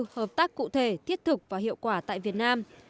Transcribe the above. hợp tác cụ thể thiết thực và hiệu quả tại việt nam